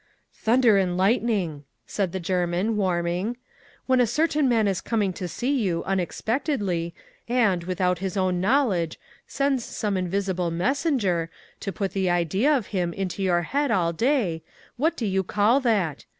'Thunder and lightning!' said the German, warming, 'when a certain man is coming to see you, unexpectedly; and, without his own knowledge, sends some invisible messenger, to put the idea of him into your head all day, what do you call that?